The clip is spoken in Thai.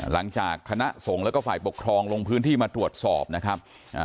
หลังจากคณะสงฆ์แล้วก็ฝ่ายปกครองลงพื้นที่มาตรวจสอบนะครับ